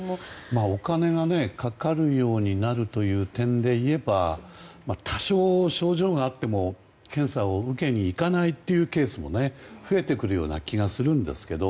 お金がかかるようになるという点で言えば多少症状があっても検査を受けに行かないというケースも増えてくるような気がするんですけど。